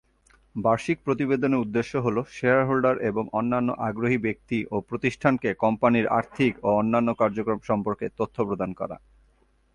বার্ষিক প্রতিবেদনের উদ্দেশ্য হল শেয়ারহোল্ডার এবং অন্যান্য আগ্রহী ব্যক্তি ও প্রতিষ্ঠানকে কোম্পানির আর্থিক ও অন্যান্য কার্যক্রম সম্পর্কে তথ্য প্রদান করা।